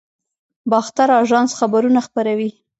باختر اژانس خبرونه خپروي